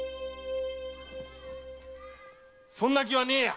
そんな気はねえや！